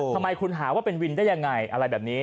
ทำไมคุณหาว่าเป็นวินได้ยังไงอะไรแบบนี้